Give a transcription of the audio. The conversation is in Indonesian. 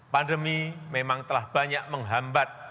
pandemi memang telah banyak menghambat